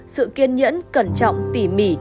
sự kiên nhẫn cẩn trọng tỉ mỉ